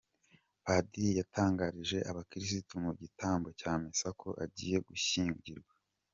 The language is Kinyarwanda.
Padiri yatangarije abakirisitu mu gitambo cya misa ko agiye gushyingirwa